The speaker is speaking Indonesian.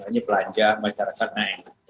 nanti belanja masyarakat naik